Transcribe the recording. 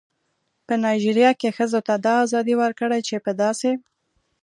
په نایجیریا کې ښځو ته دا ازادي ورکړې چې په داسې